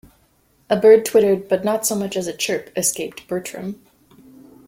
A bird twittered, but not so much as a chirp escaped Bertram.